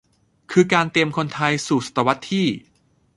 คือการเตรียมคนไทยสู่ศตวรรษที่